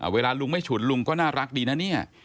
เวลาลุงไม่ฉุนลุงก็น่ารักดีนะเนี่ย